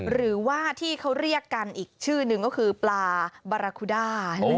หรือว่าที่เขาเรียกกันอีกชื่อหนึ่งก็คือปลาบาราคุด้า